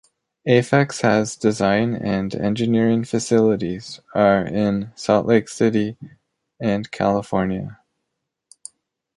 Aphex has design and engineering facilities are in Salt Lake City and California.